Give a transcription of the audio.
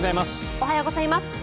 おはようございます。